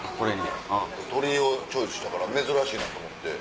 鶏をチョイスしたから珍しいなと思って。